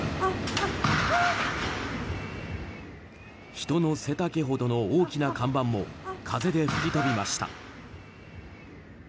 人の背丈ほどの大きな看板も風で吹き飛びました。